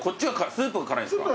スープが辛いです。